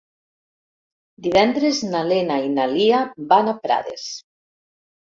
Divendres na Lena i na Lia van a Prades.